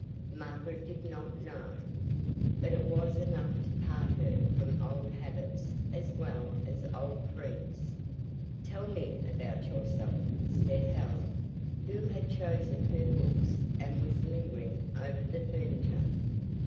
Margaret did not know. But it was enough to part her from old habits as well as old friends. "Tell me about yourself," said Helen, who had chosen her books, and was lingering over the furniture.